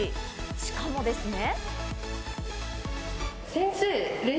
しかもですね。